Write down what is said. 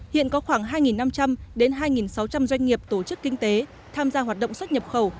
hiện có khoảng hai năm trăm linh đến hai sáu trăm linh doanh nghiệp tổ chức kinh tế tham gia hoạt động xuất nhập khẩu